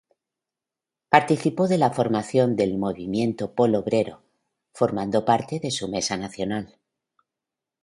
Participó de la formación del movimiento Polo Obrero, formando parte de su mesa nacional.